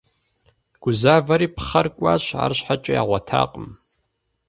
Гузавэри пхъэр кӀуащ, арщхьэкӀэ ягъуэтакъым.